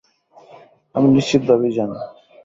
আমি নিশ্চিতভাবেই জানি।